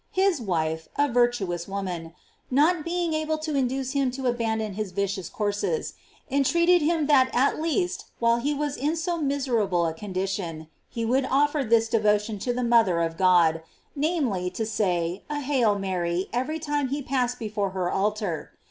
His wife, a virtuous woman, not being able to induce him to abandon his vicious courses, entreated him that at least, while he was in so miserable a condi tion, he would offer this devotion to the mother of God, namely, to say a "Hail Mary" every time he passed before her altar.